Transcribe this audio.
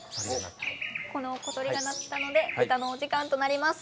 この小鳥が鳴いたので歌のお時間となります。